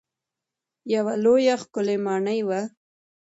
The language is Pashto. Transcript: یوه لویه ښکلې ماڼۍ وه.